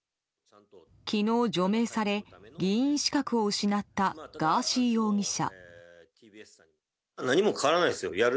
昨日、除名され議員資格を失ったガーシー容疑者。